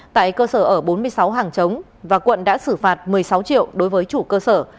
tại cơ sở ở bốn mươi sáu hàng chống và quận đã xử phạt một mươi sáu triệu đối với chủ cơ sở